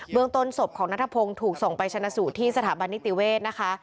เมืองต้นศพของนัทพงศ์ถูกส่งไปชนะสูตรที่สถาบันนิติเวศนะคะ